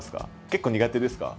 結構苦手ですか？